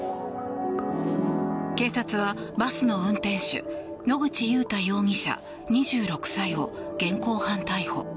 警察はバスの運転手野口祐太容疑者、２６歳を現行犯逮捕。